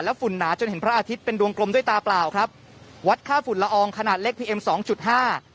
ฝุ่นหนาจนเห็นพระอาทิตย์เป็นดวงกลมด้วยตาเปล่าครับวัดค่าฝุ่นละอองขนาดเล็กพีเอ็มสองจุดห้า